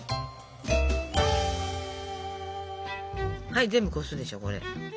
はい全部こすでしょこれ。